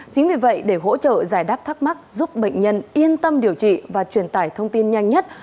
chính vì vậy để hỗ trợ giải đáp thắc mắc giúp bệnh nhân yên tâm điều trị và truyền tải thông tin nhanh nhất